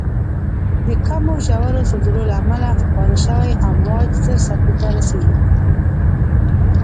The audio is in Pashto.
د کمو ژورو زلزلو له امله خپاره شوی امواج زر سطحې ته رسیږي.